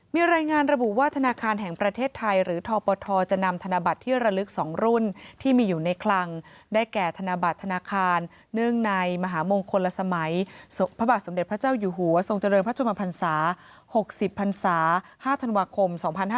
มีรายงานระบุว่าธนาคารแห่งประเทศไทยหรือทปทจะนำธนบัตรที่ระลึก๒รุ่นที่มีอยู่ในคลังได้แก่ธนบัตรธนาคารเนื่องในมหามงคลสมัยพระบาทสมเด็จพระเจ้าอยู่หัวทรงเจริญพระชมพันศา๖๐พันศา๕ธันวาคม๒๕๕๙